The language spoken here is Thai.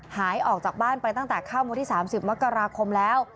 หายออกจากบ้านไปตั้งแต่ค่ำวันที่๓๐มกราคมแล้ว